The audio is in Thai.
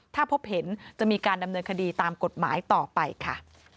ถ้าพบเห็นจะมีการดำเนินคดีตามกฎหมายต่อไปค่ะ